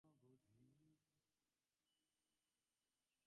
নভেম্বরের শুরুতে বীজ বুনলে মধ্য জানুয়ারির ভেতরেই ফলন ঘরে তোলা যায়।